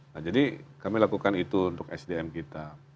nah jadi kami lakukan itu untuk sdm kita